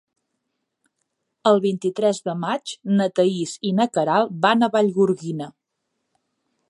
El vint-i-tres de maig na Thaís i na Queralt van a Vallgorguina.